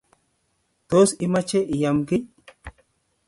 Tos, imache iam giiy?